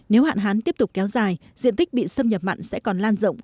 nếu hạn hán tiếp tục kéo dài diện tích bị xâm nhập mặn sẽ còn lan rộng